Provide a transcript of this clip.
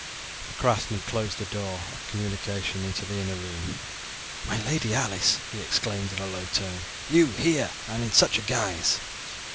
The craftsman closed the door of communication into the inner room. "My Lady Alice," he exclaimed in a low tone, "you here, and in such a guise?"